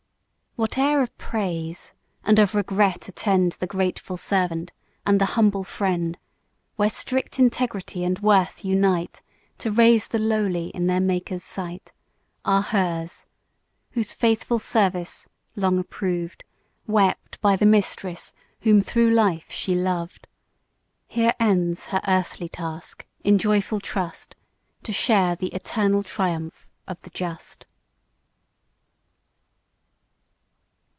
WHATE'ER of praise, and of regret attend The grateful servant, and the humble friend, Where strict integrity and worth unite To raise the lowly in their Maker's sight, Page 60 Are her's; whose faithful service, long approved, Wept by the mistress whom through life she loved. Here ends her earthly task; in joyful trust To share the eternal triumph of the just.